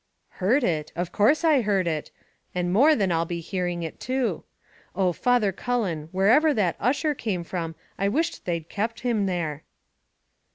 "Heard it! of course I heard it; and more than I'll be hearing it too. Oh, Father Cullen, wherever that Ussher came from, I wish they'd kept him there."